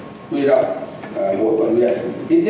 tùy động mỗi quận huyện ít nhất là thêm ba người